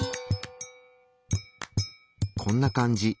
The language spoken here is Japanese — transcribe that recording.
こんな感じ。